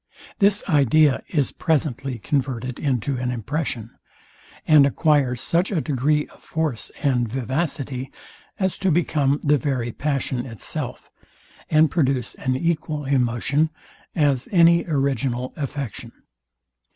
This idea is presently converted into an impression, and acquires such a degree of force and vivacity, as to become the very passion itself, and produce an equal emotion, as any original affection.